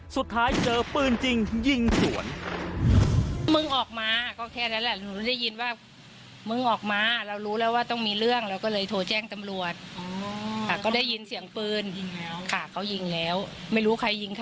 สุดท้ายเจอปืนจริงยิงส่วน